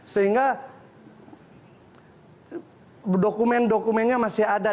sehingga dokunent ndokumennya masih ada